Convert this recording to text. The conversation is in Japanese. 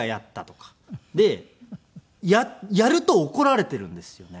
でやると怒られているんですよね。